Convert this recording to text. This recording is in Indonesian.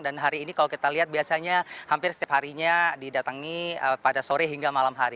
dan hari ini kalau kita lihat biasanya hampir setiap harinya didatangi pada sore hingga malam hari